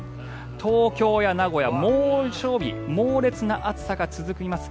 東京や名古屋、猛暑日猛烈な暑さが続きます。